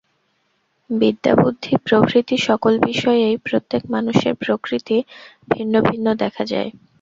বিদ্যা বুদ্ধি প্রভৃতি সকল বিষয়েই প্রত্যেক মানুষের প্রকৃতি ভিন্ন ভিন্ন দেখা যায়।